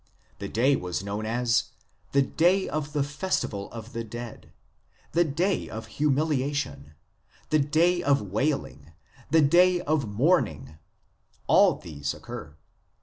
This day was known as " the day of the festival of the dead," " the day of humiliation," " the day of wailing," " the day of mourning "; all these occur.